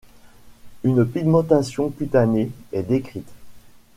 Une pigmentation cutanée est décrite.